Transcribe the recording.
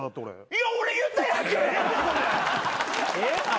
いや俺言ったやんけ！